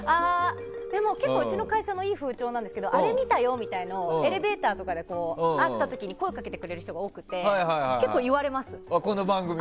でも結構、うちの会社のいい風潮なんですけどあれ見たよみたいなのをエレベーターとかで会った時に声をかけてくれる人が多くてこの番組は。